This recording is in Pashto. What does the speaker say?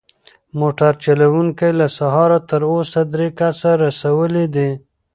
موټر چلونکی له سهاره تر اوسه درې کسه رسولي دي.